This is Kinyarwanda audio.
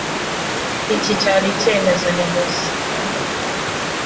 Iki cyari icyemezo nyobozi.